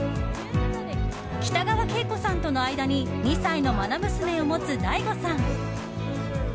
北川景子さんとの間に２歳のまな娘を持つＤＡＩＧＯさん。